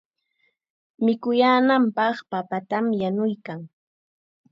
Mikuyaananpaq papatam yanuykan.